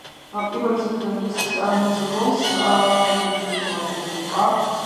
პირველი სეზონის მიწურულს ბუნი ტრაგიკულად დაიღუპა.